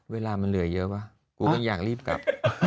เวลามันเหลือเยอะป่ะกูก็อยากรีบกลับ